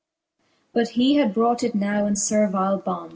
But he had brought it now in iervile bond.